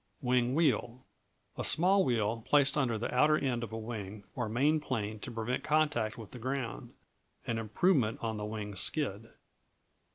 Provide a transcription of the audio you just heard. Wing Wheel A small wheel placed under the outer end of a wing or main plane to prevent contact with the ground. An improvement on the wing skid.